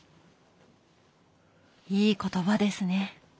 いい言葉ですね！